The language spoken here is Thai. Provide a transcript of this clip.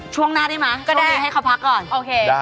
ช่วงหน้าได้ไหมต้องเรียนให้เขาพักก่อนได้